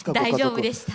大丈夫でした。